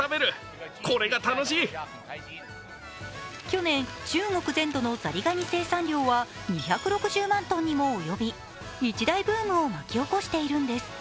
去年、中国全土のザリガニ生産量は２６０万トンにも及び、一大ブームを巻き起こしているんです。